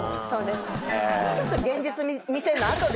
そうですね。